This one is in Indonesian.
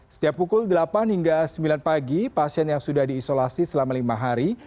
setiap pukul delapan hingga sembilan pagi pasien yang sudah diisolasi selama lima hari